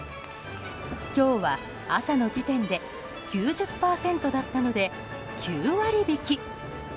今日は朝の時点で９０％だったので、９割引き。